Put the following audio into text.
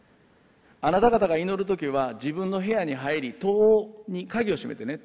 あなた方が祈る時は自分の部屋に入り戸に鍵を閉めてね。